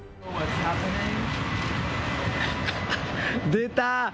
出た。